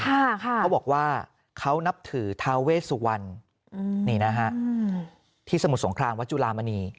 เขาบอกว่าเขานับถือทาเวสวรรค์ที่สมุทรสงครามวัตตุจุลามณี